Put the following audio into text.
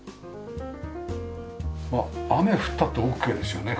雨降ったってオッケーですよね